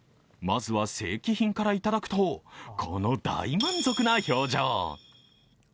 まずは正規品からいただくとこの大満足な表情。